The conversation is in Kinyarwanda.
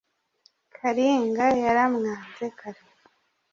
karinga yaramwanze kare